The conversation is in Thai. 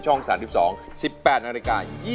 ช่อง๓๒๑๘นาฬิกา